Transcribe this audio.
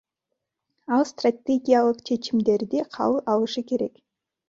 Ал стратегиялык чечимдерди кабыл алышы керек.